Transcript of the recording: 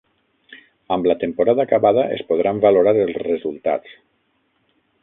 Amb la temporada acabada es podran valorar els resultats.